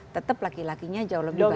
tetap laki lakinya jauh lebih baik